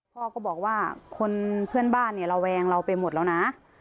พ่อก็บอกว่าคนเพื่อนบ้านเนี่ยระแวงเราไปหมดแล้วนะ